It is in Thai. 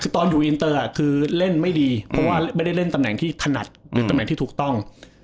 ตอนอยู่อินเตอร์เก่าคือเล่นไม่ดีเพราะไม่ได้เล่นตำแหน่งที่ถนัดที่ถูกต้อง